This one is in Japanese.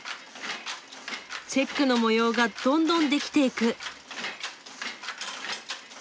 チェックの模様がどんどんできていく。